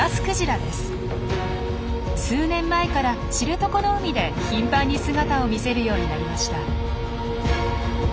数年前から知床の海で頻繁に姿を見せるようになりました。